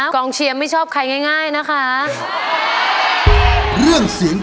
กล้องเชียไม่ชอบใครง่าย